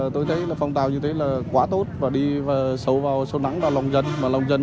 tôi thấy phòng tàu như thế là quá tốt và đi sâu vào sâu nắng vào lòng dân